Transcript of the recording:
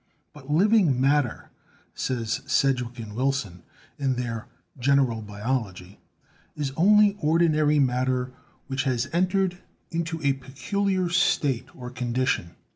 "But living matter," say Sedgwick and Wilson in their 'General Biology/ "is only ordinary matter which has en 2 BIOLOGY tered into a peculiar state or condition.